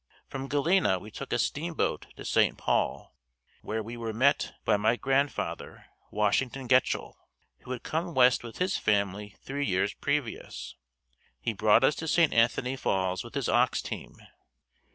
From Galena we took a steamboat to St. Paul where we were met by my grandfather, Washington Getchell, who had come west with his family three years previous. He brought us to St. Anthony Falls with his ox team.